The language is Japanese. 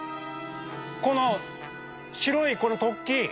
この白いこの突起！